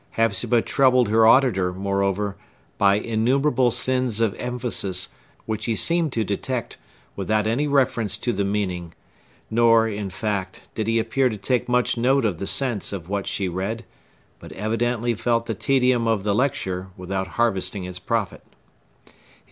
Hepzibah troubled her auditor, moreover, by innumerable sins of emphasis, which he seemed to detect, without any reference to the meaning; nor, in fact, did he appear to take much note of the sense of what she read, but evidently felt the tedium of the lecture, without harvesting its profit.